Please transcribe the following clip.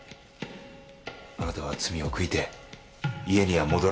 あなたは罪を悔いて家には戻らないと言う。